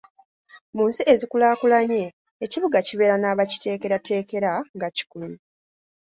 Mu nsi ezikulaakulanye, ekibuga kibeera n'abakiteekerateekera nga kikumi.